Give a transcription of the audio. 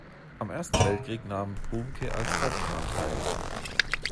Am Ersten Weltkrieg nahm Bumke als Hauptmann teil.